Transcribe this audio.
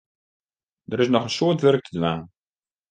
Der is noch in soad wurk te dwaan.